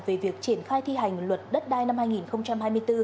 về việc triển khai thi hành luật đất đai năm hai nghìn hai mươi bốn